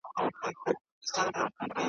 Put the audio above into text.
څښتن به مي د واک یمه خالق چي را بخښلی .